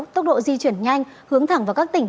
tốc độ di chuyển nhanh hướng thẳng vào các tỉnh